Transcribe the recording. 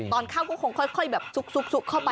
ตอนเข้าก็ค่อยสุกเข้าไป